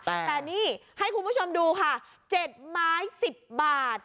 แต่นี่ให้คุณผู้ชมดูค่ะ๗ไม้๑๐บาท